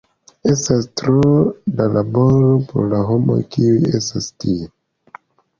Estas tro da laboro por la homoj kiuj estas tie.